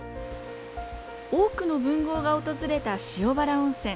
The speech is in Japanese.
多くの文豪が訪れた塩原温泉。